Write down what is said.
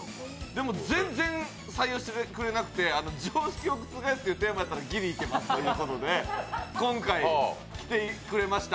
でも全然採用してくれなくて常識を覆すっていうテーマやったらギリいけますということで今回来てくれました。